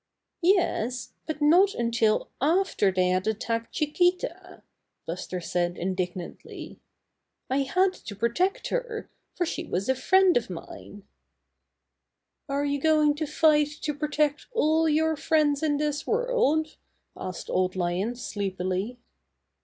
"Yes, but not until after they had attacked Chiquita," Buster said indignantly. "I had to protect her, for she was a friend of mine." Buster in a Railroad Wreck 89 '^Are you going to fight to protect all your friends in this world?'' asked Old Lion sleep ily.